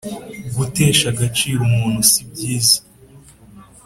gutesha agaciro umuntu si byiza